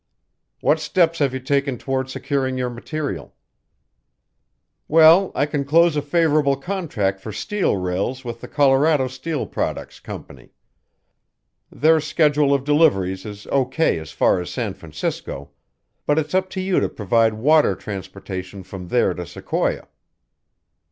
"What steps have you taken toward securing your material?" "Well, I can close a favourable contract for steel rails with the Colorado Steel Products Company. Their schedule of deliveries is O. K. as far as San Francisco, but it's up to you to provide water transportation from there to Sequoia."